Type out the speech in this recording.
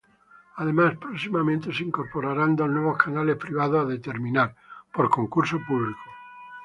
Además próximamente se incorporarán dos nuevos canales privados a determinar por concurso público.